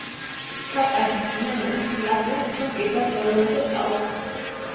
ჩაფკანს იცვამდნენ მაისურზე, ასე ის უფრო მჭიდროდ ედებოდა სხეულს.